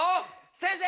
先生！